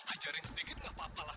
ajarin sedikit gak apa apa lah